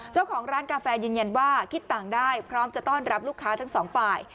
เจ้าของร้านกาแฟยืนยันว่าคิดต่างได้พร้อมจะต้อนรับลูกค้าทั้งสองฝ่าย